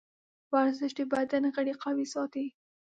ورزش د بدن غړي قوي ساتي.